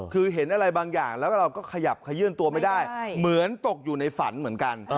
คือเห็นอะไรบางอย่างแล้วก็เราก็ขยับขยื่นตัวไม่ได้เหมือนตกอยู่ในฝันเหมือนกัน